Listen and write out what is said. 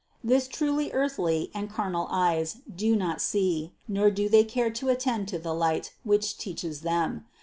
420. "This truth earthly and carnal eyes do not see, nor do they care to attend to the light which teaches them.